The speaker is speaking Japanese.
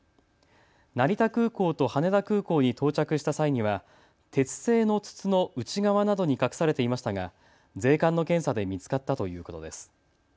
成田空港と羽田空港に到着した際には鉄製の筒の内側などに隠されていましたが税関の検査で見つかったということです。